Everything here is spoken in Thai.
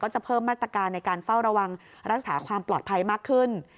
จะเพิ่มมาตรการในการเฝ้าระวังรักษาความปลอดภัยมากขึ้น